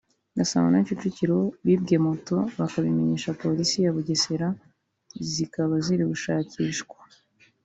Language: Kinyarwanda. Gasabo na Kicukiro bibwe Moto bakabimenyesha Polisi ya Bugesera zikaba ziri gushakishwa